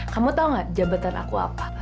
kamu tau gak jabatan aku apa